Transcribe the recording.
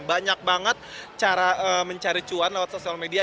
banyak banget cara mencari cuan lewat sosial media